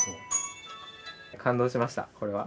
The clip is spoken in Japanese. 感動しましたこれは。